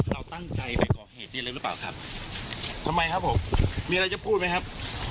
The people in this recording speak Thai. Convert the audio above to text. เราตั้งใจไปก่อเหตุนี้เลยหรือเปล่าครับทำไมครับผมมีอะไรจะพูดไหมครับ